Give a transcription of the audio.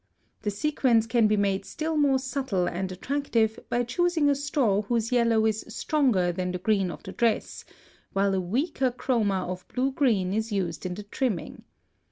The sequence can be made still more subtle and attractive by choosing a straw whose yellow is stronger than the green of the dress, while a weaker chroma of blue green is used in the trimming.